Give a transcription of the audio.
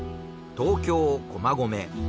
東京駒込。